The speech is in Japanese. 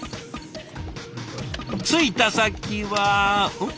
着いた先はん？